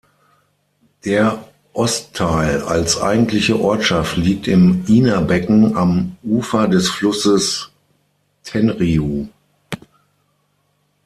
Der Ostteil als eigentliche Ortschaft liegt im Ina-Becken am Ufer des Flusses Tenryū.